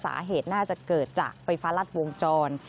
สาเหตุน่าจะเกิดจากไฟฟ้ารัดวงจร